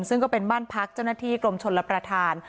ซึ่งก็เป็นบ้านพักเจ้าหน้าที่กรมชนรับประทาน